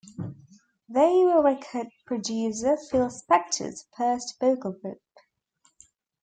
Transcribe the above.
They were record producer Phil Spector's first vocal group.